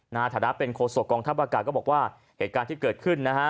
ฐานะเป็นโคศกองทัพอากาศก็บอกว่าเหตุการณ์ที่เกิดขึ้นนะฮะ